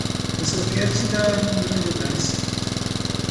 Eu só quero te dar um grande abraço!